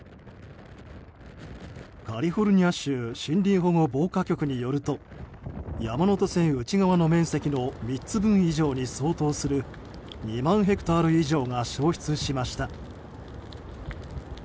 カリフォルニア州森林保護防火局によると山手線内側の面積の３つ分以上に相当する２万ヘクタール以上が焼失しました。